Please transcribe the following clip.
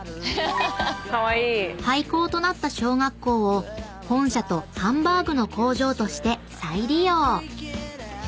［廃校となった小学校を本社とハンバーグの工場として再利用］